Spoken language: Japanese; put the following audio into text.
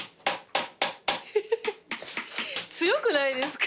強くないですか？